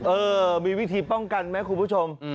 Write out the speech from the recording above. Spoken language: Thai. เออมีวิธีป้องกันไหมคุณผู้ชม